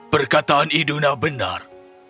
perkataan iduna benar